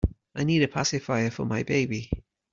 I need a pacifier for my baby.